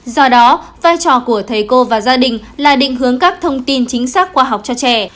do đó vai trò của thầy cô và gia đình là định hướng các thông tin chính xác khoa học cho trẻ